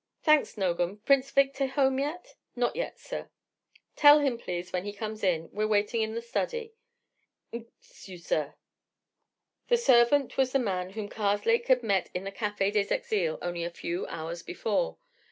"Thanks, Nogam. Prince Victor home yet?" "Not yet, sir." "Tell him, please, when he comes in, we're waiting in the study." "'Nk you, sir." The servant was the man whom Karslake had met in the Café des Exiles only a few hours before.